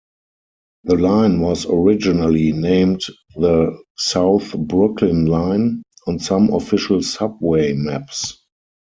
The line was originally named the "South Brooklyn Line" on some official subway maps.